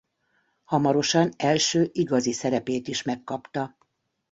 Hamarosan első igazi szerepét is megkapta.